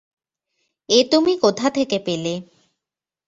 এ তুমি কোথা থেকে পেলে।